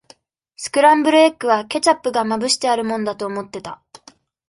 スクランブルエッグは、ケチャップがまぶしてあるもんだと思ってた。